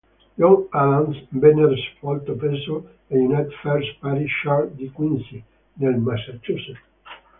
John Adams venne sepolto presso la United First Parish Church di Quincy, nel Massachusetts.